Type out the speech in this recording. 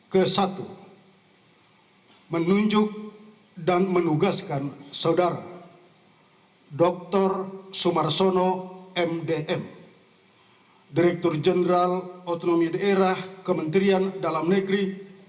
ke satu menunjuk dan menugaskan saudara dr sumarsono mdm direktur jenderal otonomi daerah kementerian dalam negeri